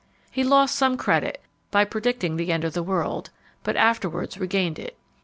He lost some credit by predicting the end of the world, but afterwards regained it.